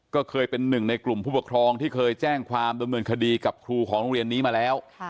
ก็เคยเป็นหนึ่งในกลุ่มผู้ปกครองที่เคยแจ้งความดำเนินคดีกับครูของโรงเรียนนี้มาแล้ว